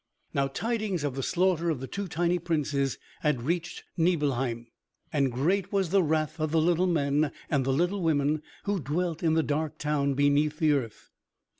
Now tidings of the slaughter of the two tiny princes had reached Nibelheim, and great was the wrath of the little men and little women who dwelt in the dark town beneath the earth.